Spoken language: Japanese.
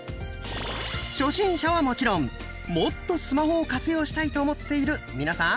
初心者はもちろんもっとスマホを活用したいと思っている皆さん！